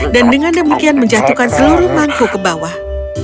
dan dengan demikian menjatuhkan seluruh mangkuk ke bawah